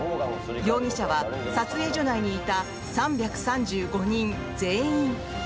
容疑者は撮影所内にいた３３５人全員。